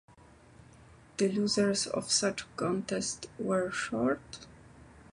The losers of such contests were shot.